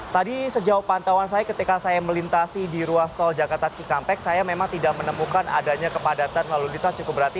tadi sejauh pantauan saya ketika saya melintasi di ruas tol jakarta cikampek saya memang tidak menemukan adanya kepadatan lalu lintas cukup berarti